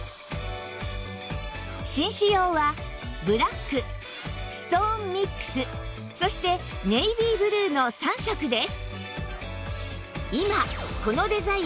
紳士用はブラックストーンミックスそしてネイビーブルーの３色です